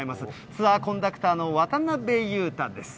ツアーコンダクターの渡辺裕太です。